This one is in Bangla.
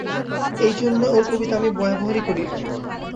সেইজন্যে ওর কবিতা আমি ব্যবহারই করি নে।